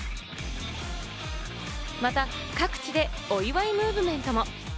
また各地でお祝いムーブメントも。